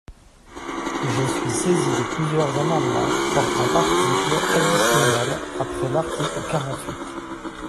Je suis saisi de plusieurs amendements portant article additionnel après l’article quarante-huit.